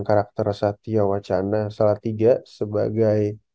karakter satya wacana salah tiga sebagai